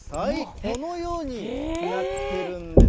このようになってるんです。